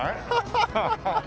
ハハハハ！